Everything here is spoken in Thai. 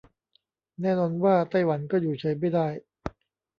แน่นอนว่าไต้หวันก็อยู่เฉยไม่ได้